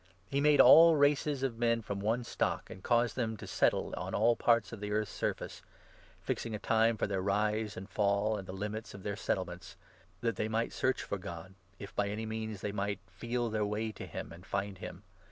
He made all races of 26 men from one stock, apd caused them to settle on all parts of the earth's surface — fixing a time for their rise and fall, and the limits of their settlements — that they might search for God, 27 if by any means they might feel their way to him and find him.